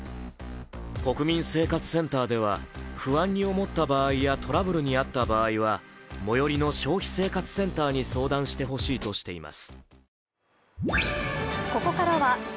国民生活センターでは不安に思った場合やトラブルに遭った場合は最寄りの消費生活センターに相談してほしいとしています。